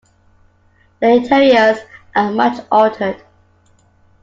The interiors are much altered.